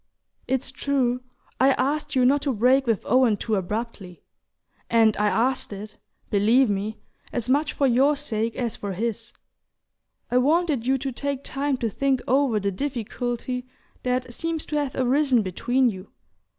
It's true, I asked you not to break with Owen too abruptly and I asked it, believe me, as much for your sake as for his: I wanted you to take time to think over the difficulty that seems to have arisen between you.